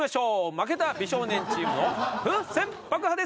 負けた美少年チームの風船爆破です。